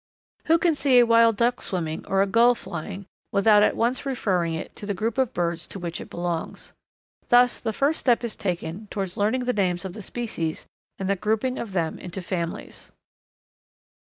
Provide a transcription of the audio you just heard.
Who can see a Wild Duck swimming, or a Gull flying, without at once referring it to the group of birds to which it belongs? Thus the first step is taken toward learning the names of the species, and the grouping of them into families.